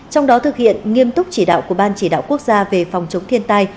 trong đó thực hiện nghiêm túc chỉ đạo của ban chỉ đạo quốc gia về phòng chống thiên tai